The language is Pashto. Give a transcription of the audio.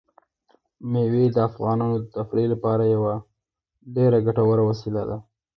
مېوې د افغانانو د تفریح لپاره یوه ډېره ګټوره وسیله ده.